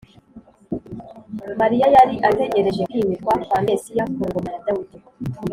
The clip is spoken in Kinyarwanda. Mariya yari ategereje kwimikwa kwa Mesiya ku ngoma ya Dawidi